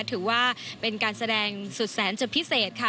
ถือว่าเป็นการแสดงสุดแสนจุดพิเศษค่ะ